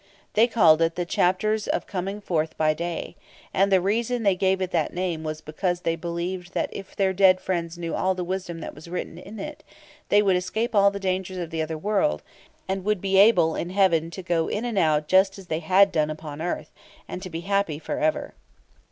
They called it "The Chapters of Coming Forth by Day," and the reason they gave it that name was because they believed that if their dead friends knew all the wisdom that was written in it, they would escape all the dangers of the other world, and would be able in heaven to go in and out just as they had done upon earth, and to be happy for ever.